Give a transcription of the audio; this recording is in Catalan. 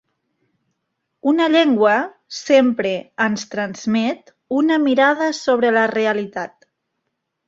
Una llengua sempre ens transmet una mirada sobre la realitat.